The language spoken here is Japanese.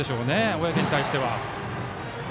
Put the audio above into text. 小宅に対しては。